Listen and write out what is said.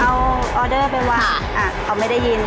เอาออเดอร์ไปวางเขาไม่ได้ยิน